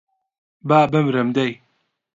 با بمرم دەی